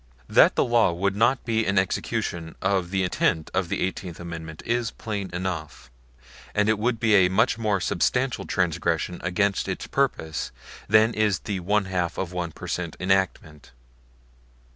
That the law would not be an execution of the intent of the Eighteenth Amendment is plain enough; and it would be a much more substantial transgression against its purpose than is the one half of one per cent. enactment.